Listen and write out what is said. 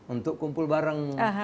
untuk kumpul bareng